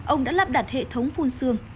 ông đã lắp đặt hệ thống phun sương